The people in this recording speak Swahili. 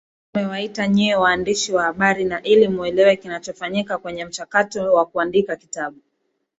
Tumewaita nyie waandishi wa habari na ili muelewe kinachofanyika kwenye mchakato wa kuandika kitabu